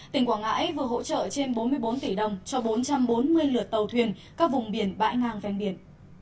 tỉnh quảng ngãi vừa hỗ trợ trên bốn mươi bốn tỷ đồng cho bốn trăm bốn mươi lượt tàu thuyền các vùng biển bãi ngang ven biển